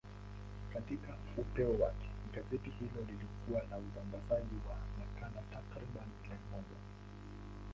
Katika upeo wake, gazeti hilo lilikuwa na usambazaji wa nakala takriban milioni moja.